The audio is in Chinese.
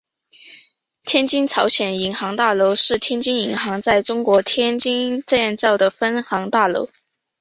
天津朝鲜银行大楼是朝鲜银行在中国天津建造的分行大楼。